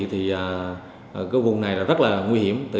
thì cái vùng này là rất là nguy hiểm